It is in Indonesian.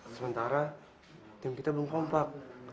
sementara tim kita belum kompak